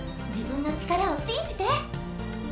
自分の力をしんじて！